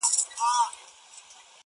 ستا هغه ګوته طلایي چیري ده ـ